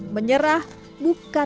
menyerah bukanlah kegiatan